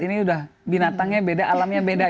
ini udah binatangnya beda alamnya beda